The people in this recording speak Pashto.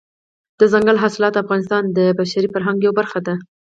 دځنګل حاصلات د افغانستان د بشري فرهنګ یوه برخه ده.